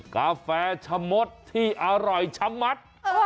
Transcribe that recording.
กาแฟชะมดที่อร่อยชะมัด